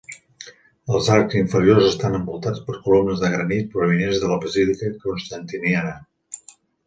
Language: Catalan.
Els arcs inferiors estan envoltats per columnes de granit provinents de la basílica constantiniana.